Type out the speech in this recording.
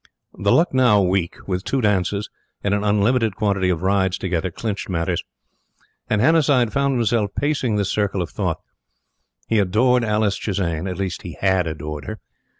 The Lucknow week, with two dances, and an unlimited quantity of rides together, clinched matters; and Hannasyde found himself pacing this circle of thought: He adored Alice Chisane at least he HAD adored her.